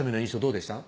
どうでした？